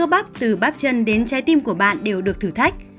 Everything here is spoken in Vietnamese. với mỗi bước đi mọi cơ bắp từ bắp chân đến trái tim của bạn đều được thử thách